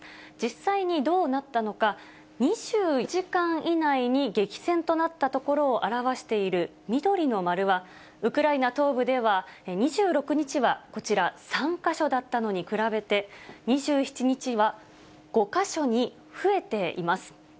実際にどうなったのか、２４時間以内に激戦となった所を表している緑の丸は、ウクライナ東部では、２６日はこちら、３か所だったのに比べて、２７日は５か所に増えています。